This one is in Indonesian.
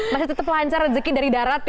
masih tetap lancar rezeki dari darat ya